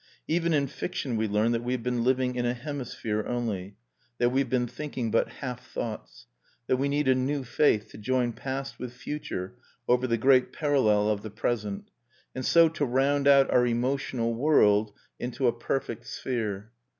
Even in fiction we learn that we have been living in a hemisphere only; that we have been thinking but half thoughts; that we need a new faith to join past with future over the great parallel of the present, and so to round out our emotional world into a perfect sphere.